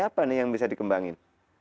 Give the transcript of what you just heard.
apa nih yang bisa dikembangin